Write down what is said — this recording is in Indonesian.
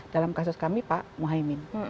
dalam kasus kami pak muhaymin